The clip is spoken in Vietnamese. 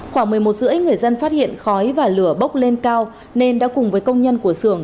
khoảng một mươi một h ba mươi người dân phát hiện khói và lửa bốc lên cao nên đã cùng với công nhân của sưởng